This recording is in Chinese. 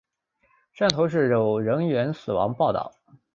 汕头市有人员死亡报导。